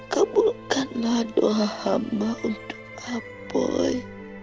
kebulkanlah doa hamba untuk apoi